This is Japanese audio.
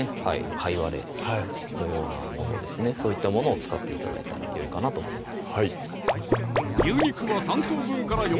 かいわれのようなものですねそういったものを使って頂いたらよいかなと思います